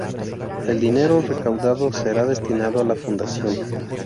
El dinero recaudado será destinado a la fundación.